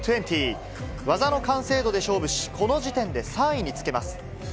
技の完成度で勝負し、この時点で３位につけます。